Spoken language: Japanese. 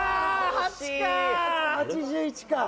「８１か！」